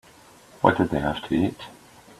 What did they have to eat?